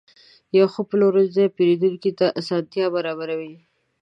یو ښه پلورنځی پیرودونکو ته اسانتیا برابروي.